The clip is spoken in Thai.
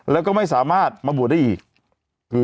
แล้วก็ไม่สามารถมาบวชได้อีก